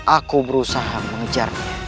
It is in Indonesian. aku berusaha mengejarnya